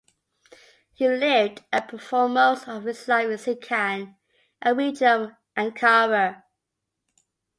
He lived and performed most of his life in Sincan, a region of Ankara.